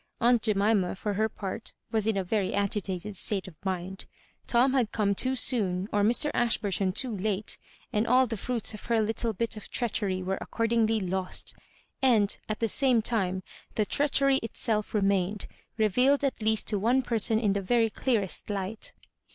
Aunt Jemima, for her part, was in a very agitated state of mind. Tom had come too soon or Mr. Ashburton too late, and all the fruits of her little bit of treach ery were accordingly lost; and, at the same time, the treadiery itself remained, revealed at least to one person in the very dearest light.